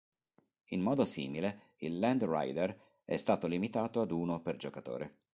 In modo simile, il Land Raider è stato limitato ad uno per giocatore.